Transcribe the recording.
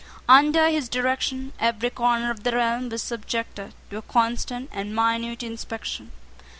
Under his direction every corner of the realm was subjected to a constant and minute inspection.